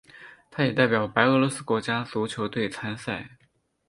他也代表白俄罗斯国家足球队参赛。